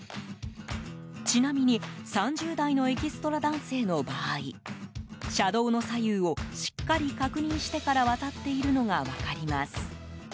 ちなみに３０代のエキストラ男性の場合車道の左右をしっかり確認してから渡っているのが分かります。